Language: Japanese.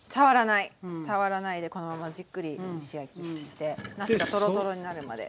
触らないでこのままじっくり蒸し焼きしてなすがトロトロになるまで。